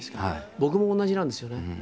僕も同じなんですよね。